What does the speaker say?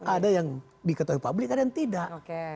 ada yang diketahui publik ada yang tidak